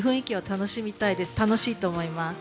楽しいと思います。